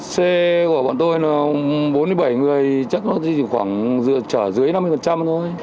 xe của bọn tôi bốn mươi bảy người chắc nó chỉ khoảng trở dưới năm mươi thôi